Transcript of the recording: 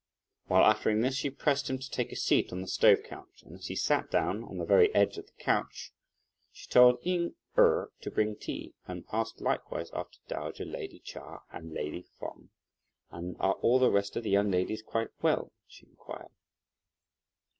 While uttering this, she pressed him to take a seat on the stove couch, and as he sat down on the very edge of the couch, she told Ying Erh to bring tea and asked likewise after dowager lady Chia and lady Feng. "And are all the rest of the young ladies quite well?" she inquired.